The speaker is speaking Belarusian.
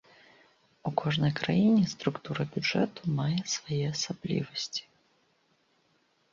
У кожнай краіне структура бюджэту мае свае асаблівасці.